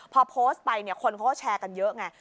พอโพสต์ไปเนี่ยคนเขาก็แชร์กันเยอะไง